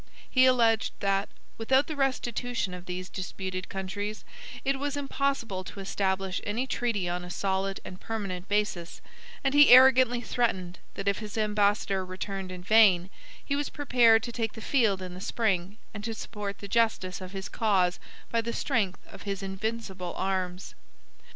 He alleged, that, without the restitution of these disputed countries, it was impossible to establish any treaty on a solid and permanent basis; and he arrogantly threatened, that if his ambassador returned in vain, he was prepared to take the field in the spring, and to support the justice of his cause by the strength of his invincible arms.